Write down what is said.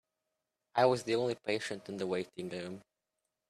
I was the only patient in the waiting room.